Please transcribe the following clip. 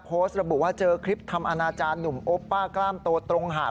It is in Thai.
โพสต์ระบุว่าเจอคลิปทำอนาจารย์หนุ่มโอป้ากล้ามโตตรงหาด